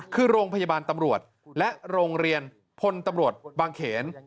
คือโรงพยาบาลตำรวจและโรงเรียนพลตำรวจบางเขน